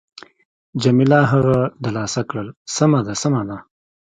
جميله هغه دلاسا کړل: سمه ده، سمه ده.